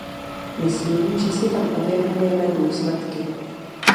Myslím, že si tam uvědomujeme důsledky.